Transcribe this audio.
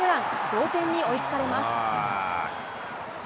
同点に追いつかれます。